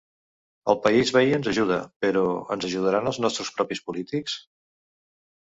El país veí ens ajuda, però, ens ajudaran els nostres propis polítics?